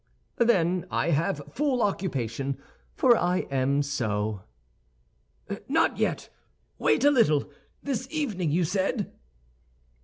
"Then I have full occupation, for I am so." "Not yet; wait a little! This evening, you said."